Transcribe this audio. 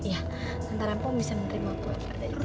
iya tante rempong bisa menerima boy padanya